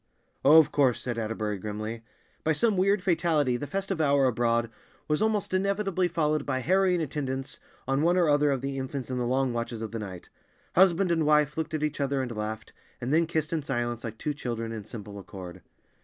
"Oh, of course," said Atterbury grimly. By some weird fatality the festive hour abroad was almost inevitably followed by harrowing attendance on one or other of the infants in the long watches of the night. Husband and wife looked at each other and laughed, and then kissed in silence, like two children, in simple accord.